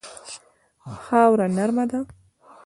خاوره نرمه ده.